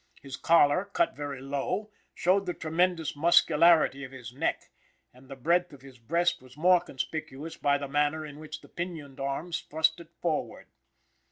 His collar, cut very low, showed the tremendous muscularity of his neck, and the breadth of his breast was more conspicuous by the manner in which the pinioned arms thrust it forward.